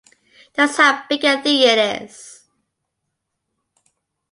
That's how big a thing it is.